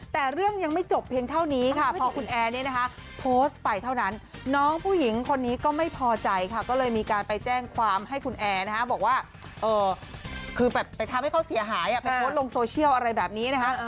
แต่เรื่องยังไม่จบเพียงเท่านี้ค่ะพอคุณแอร์เนี่ยนะคะโพสต์ไปเท่านั้นน้องผู้หญิงคนนี้ก็ไม่พอใจค่ะก็เลยมีการไปแจ้งความให้คุณแอร์นะฮะบอกว่าคือแบบไปทำให้เขาเสียหายไปโพสต์ลงโซเชียลอะไรแบบนี้นะคะ